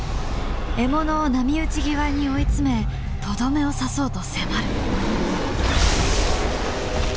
獲物を波打ち際に追い詰めとどめを刺そうと迫る。